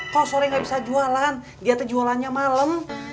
kalo sore ga bisa jualan dia teh jualannya malem